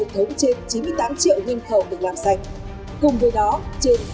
trên chín mươi tám triệu nguyên khẩu được làm sạch